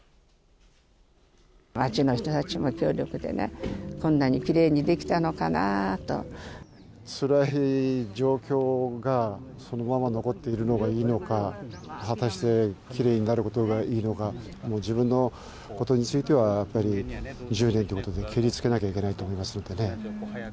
町の人たちの協力でね、つらい状況が、そのまま残っているのがいいのか、果たしてきれいになることがいいのか、もう自分のことについては、やっぱり１０年ということで、けりをつけないといけないと思いますのでね。